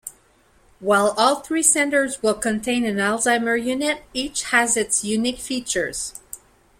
While all three centres will contain an Alzheimer unit, each has its unique features.